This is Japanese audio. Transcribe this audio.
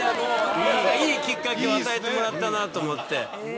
いいきっかけを与えてもらったなと思って。